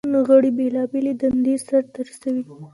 د بدن غړي بېلابېلې دندې سرته رسوي.